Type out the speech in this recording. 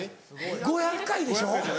５００回でしょ？